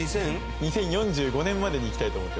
２０４５年までに行きたいと思ってます。